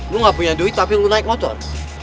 gue gak punya duit tapi lu naik motor